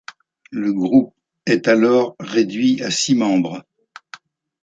Le groupe est alors réduit à six membres.